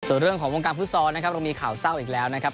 ส่วนเรื่องของวงการฟุตซอลนะครับเรามีข่าวเศร้าอีกแล้วนะครับ